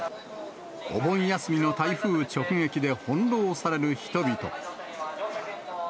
お盆休みの台風直撃で、翻弄される人々。